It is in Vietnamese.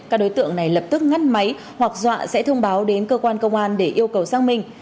các đối tượng này lập tức ngắt máy hoặc dọa sẽ thông báo đến cơ quan công an để yêu cầu xác minh